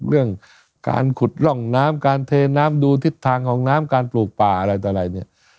เรื่องการขุดร่องน้ำการเทน้ำดูทิศทางของน้ำการปลูกป่าอะไรต่ออะไรเนี่ย